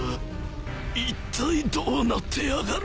いったいどうなってやがる。